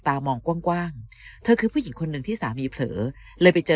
ตามองกว้างเธอคือผู้หญิงคนหนึ่งที่สามีเผลอเลยไปเจอ